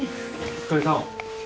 お疲れさん。